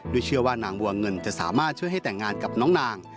เชื่อว่านางบัวเงินจะสามารถช่วยให้แต่งงานกับน้องนาง